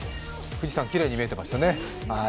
富士山きれいに見えてましたね。